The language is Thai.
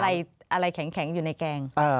อะไรแข็งอยู่ในแกง